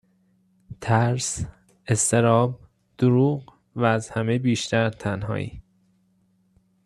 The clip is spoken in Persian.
ترس ، اضطراب ، دروغ و از همه بیشتر تنهایی